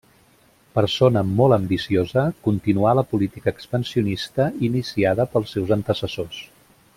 Persona molt ambiciosa, continuà la política expansionista iniciada pels seus antecessors.